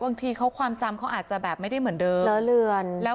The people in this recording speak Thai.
ความจำเลอะเลือนเหมือนเด็กแล้วก็ยืนยันว่าตัวเองไม่ได้ทุบตียายเพราะว่ายายดื้อจริง